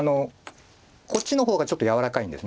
こっちの方がちょっと柔らかいんです。